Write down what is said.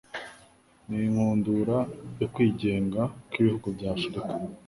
n'inkundura yo kwigenga kw'ibihugu bya Afurika